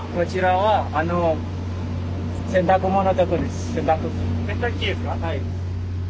はい。